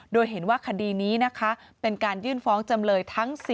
โดยเห็นว่าคดีนี้นะคะเป็นการยื่นฟ้องจำเลยทั้ง๔